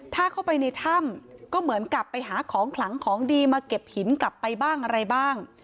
ถ้าเข้าไปในถ้ำก็เหมือนกับไปหาของขลังของดีมาเก็บหินกลับไปบ้างอะไรบ้าง